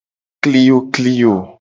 Kliyokliyo.